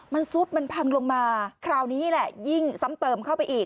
มันซุดมันพังลงมาคราวนี้แหละยิ่งซ้ำเติมเข้าไปอีก